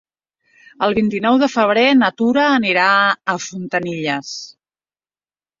El vint-i-nou de febrer na Tura anirà a Fontanilles.